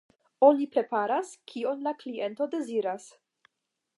Oni preparas, kion la kliento deziras.